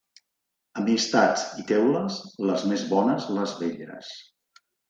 Amistats i teules, les més bones les velles.